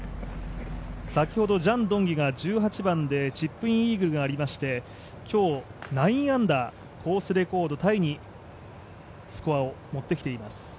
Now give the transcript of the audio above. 先ほどジャン・ドンキュが１８番でチップインイーグルがありまして、今日、９アンダー、コースレコードタイにスコアを持ってきています。